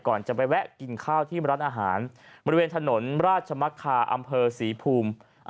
ก่อนจะไปแวะกินข้าวที่ร้านอาหารบริเวณถนนราชมักคาอำเภอศรีภูมิ